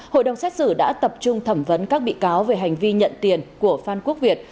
hội đồng xét xử đã tập trung thẩm vấn các bị cáo về hành vi nhận tiền của phan quốc việt